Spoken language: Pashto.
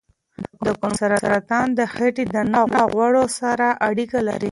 د کولمو سرطان د خېټې دننه غوړو سره اړیکه لري.